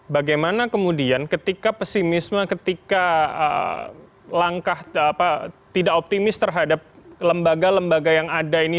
bagaimana kemudian ketika pesimisme ketika langkah tidak optimis terhadap lembaga lembaga yang ada ini